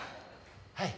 はい。